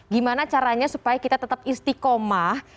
gimana caranya supaya kita tetap istiqomah